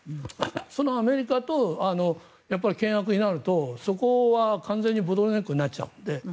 そのアメリカと険悪になるとそこは完全にボトルネックになっちゃうので。